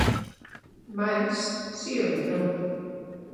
Mais si o logrou.